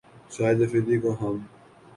شاہد فریدی کو ہم